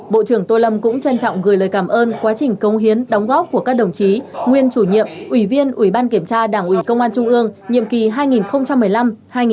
bộ trưởng tô lâm cũng trân trọng gửi lời cảm ơn quá trình công hiến đóng góp của các đồng chí nguyên chủ nhiệm ủy viên ủy ban kiểm tra đảng ủy công an trung ương nhiệm kỳ hai nghìn một mươi năm hai nghìn hai mươi